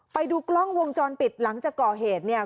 ไปดูกล้องวงจรปิดหลังจากก่อเหตุเนี่ย